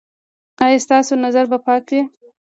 ایا ستاسو نظر به پاک وي؟